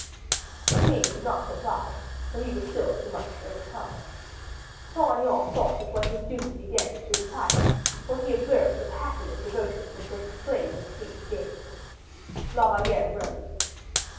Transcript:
The king did not reply, for he was still too much overcome. Saint Aignan thought it was his duty again to retire, for he observed the passionate devotion which was displayed in the king's gaze. La Valliere rose.